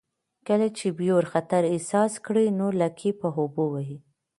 کله چې بیور خطر احساس کړي نو لکۍ په اوبو وهي